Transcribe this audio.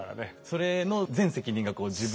それの全責任が自分